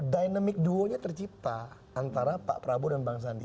dynamic duo nya tercipta antara pak prabowo dan bang sandi